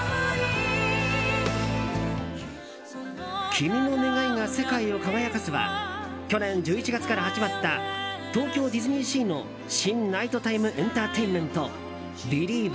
「君の願いが世界を輝かす」は去年１１月から始まった東京ディズニーシーの新ナイトタイムエンターテインメント「ビリーヴ！